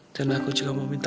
dan aku juga mau berdoa